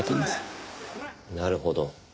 なるほど。